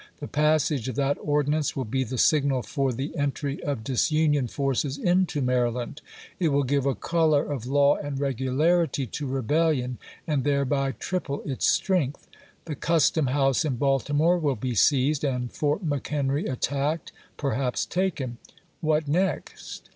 The passage of that ordinance will be the signal for the entry of disunion forces into Maryland. It will give a color of law and regularity to rebellion and thereby triple its strength. The custom house in Baltimore will be seized and Fort McHenry attacked — perhaps taken. What next